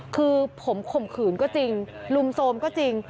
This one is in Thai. คือผมข่มขืนก็จริงลุมโทรมก็จริง